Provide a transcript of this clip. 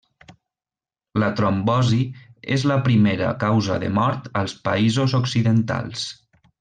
La trombosi és la primera causa de mort als països occidentals.